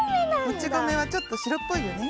もちごめはちょっとしろっぽいよね。